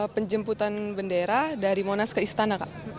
penjemputan bendera dari monas ke istana kak